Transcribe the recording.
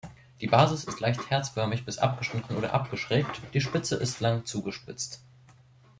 Die Basis ist leicht herzförmig bis abgeschnitten oder abgeschrägt, die Spitze ist lang zugespitzt.